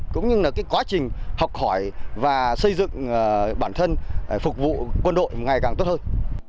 cũng như là cái quá trình học hỏi và xây dựng bản thân phục vụ quân đội ngày càng tốt hơn